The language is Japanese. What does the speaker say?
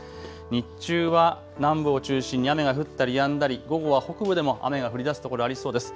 日中は南部を中心に雨が降ったりやんだり、午後は北部でも雨が降りだす所、ありそうです。